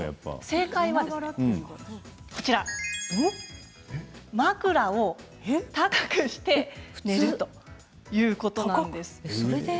正解は枕を高くして寝るということなんですね。